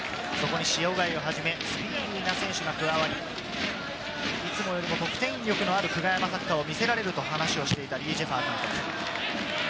塩貝をはじめ、数人の選手が加わり、いつもよりも得点力のある久我山サッカーを見せられると話をしていた李済華監督。